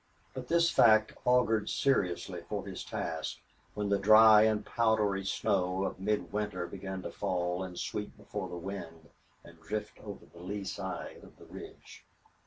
But this fact augured seriously for his task when the dry and powdery snow of midwinter began to fall and sweep before the wind and drift over the lee side of the ridge.